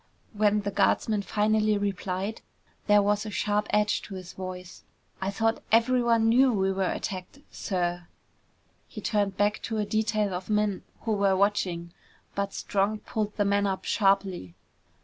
When the guardsman finally replied, there was a sharp edge to his voice. "I thought everyone knew we were attacked, sir!" He turned back to a detail of men who were watching. But Strong pulled the man up sharply.